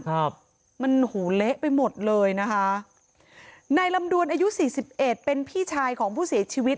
ครับมันหูเละไปหมดเลยนะคะนายลำดวนอายุสี่สิบเอ็ดเป็นพี่ชายของผู้เสียชีวิต